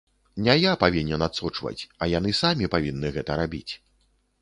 Не я павінен адсочваць, а яны самі павінны гэта рабіць.